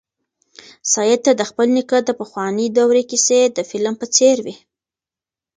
سعید ته د خپل نیکه د پخوانۍ دورې کیسې د فلم په څېر وې.